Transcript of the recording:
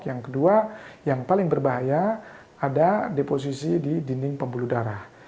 yang kedua yang paling berbahaya ada deposisi di dinding pembuluh darah